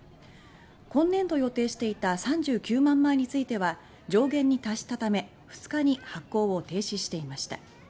今年度予定していた３９万枚については上限に達したため２日に発行を停止していました。